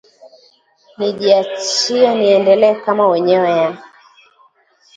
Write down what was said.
nijiachie nielee kama unyoya